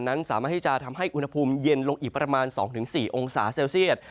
นั้นสามารถที่จะทำให้อุณหภูมิเย็นลงอีกประมาณ๒๔องศาเซลเซียต